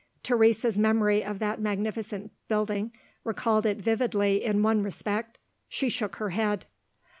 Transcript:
Teresa's memory of that magnificent building recalled it vividly in one respect. She shook her head.